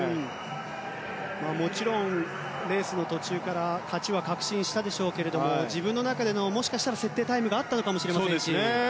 もちろんレースの途中から勝ちは確信したでしょうけど自分の中での設定タイムがあったのかもしれませんし。